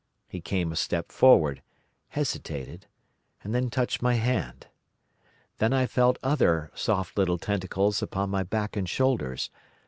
He came a step forward, hesitated, and then touched my hand. Then I felt other soft little tentacles upon my back and shoulders.